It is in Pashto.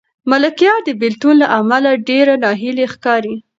ملکیار د بېلتون له امله ډېر ناهیلی ښکاري.